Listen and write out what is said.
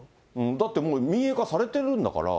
だってもう民営化されてるんだから。